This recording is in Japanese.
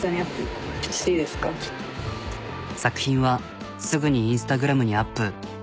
作品はすぐにＩｎｓｔａｇｒａｍにアップ。